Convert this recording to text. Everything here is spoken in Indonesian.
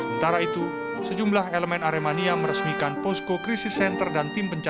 sementara itu sejumlah elemen aremania meresmikan posko krisis center dan tim pencari